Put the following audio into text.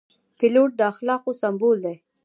پیلوټ د اخلاقو سمبول دی.